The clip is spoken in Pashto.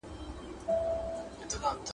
اصل بې بها وي، کم اصل بها وي.